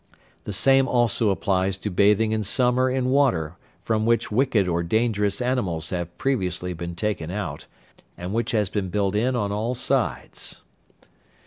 The same also applies to bathing in summer in water from which wicked or dangerous animals have previously been taken out, and which has been built in on all sides.